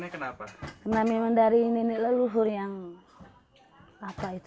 karena memang dari nenek leluhur yang tersimpan itu